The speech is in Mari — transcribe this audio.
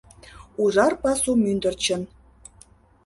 Ужар пасу мӱндырчын